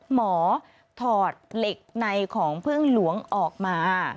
ถอดเหล็กในของพึ่งหลวงออกมา